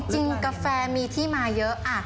กาแฟมีที่มาเยอะ